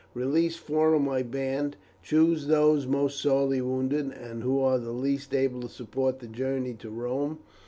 Release four of my band; choose those most sorely wounded, and who are the least able to support the journey to Rome.